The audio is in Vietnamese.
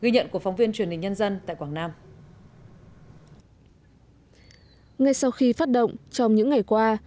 ngay sau khi phát động trong những ngày qua